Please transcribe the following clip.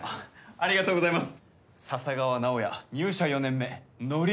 ありがとうございます。